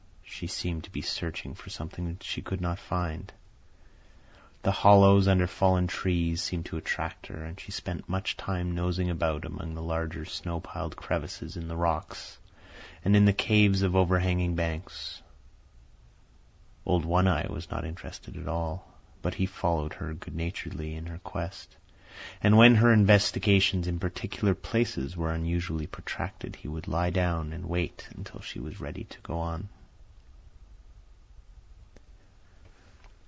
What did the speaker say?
She seemed to be searching for something that she could not find. The hollows under fallen trees seemed to attract her, and she spent much time nosing about among the larger snow piled crevices in the rocks and in the caves of overhanging banks. Old One Eye was not interested at all, but he followed her good naturedly in her quest, and when her investigations in particular places were unusually protracted, he would lie down and wait until she was ready to go on.